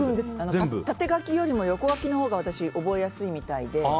縦書きよりも横書きのほうが私、覚えやすいみたいで。